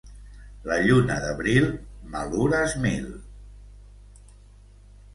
La lluna d'abril, malures mil.